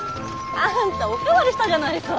あんたお代わりしたじゃないさ！